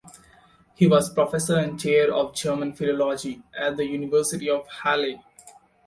He was Professor and Chair of German Philology at the University of Halle.